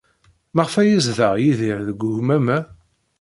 Maɣef ay yezdeɣ Yidir deg ugmam-a?